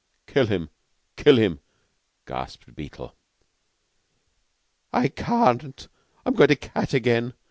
"Kill him! Kill him!" gasped Beetle. "I ca an't. I'm going to cat again...